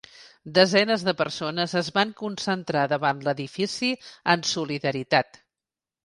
Desenes de persones es van concentrar davant l’edifici en solidaritat.